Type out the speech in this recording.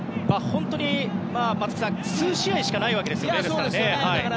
本当に数試合しかないわけですよね。